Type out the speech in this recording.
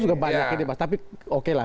sudah banyak ini pak tapi oke lah